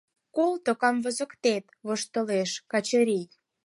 — Колто, камвозыктет, — воштылеш Качырий.